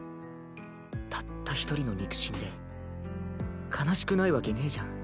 たった一人の肉親で悲しくないわけねぇじゃん。